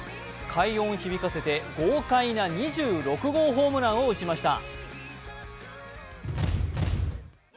快音を響かせて豪快な２６号ホームランを打ちました。